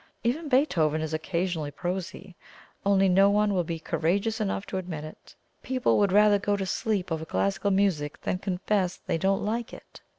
Even Beethoven is occasionally prosy, only no one will be courageous enough to admit it. People would rather go to sleep over classical music than confess they don't like it."